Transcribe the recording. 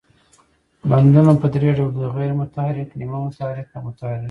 بندونه په درې ډوله دي، غیر متحرک، نیمه متحرک او متحرک.